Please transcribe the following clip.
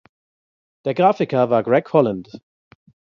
Der Grafiker war Greg Holland.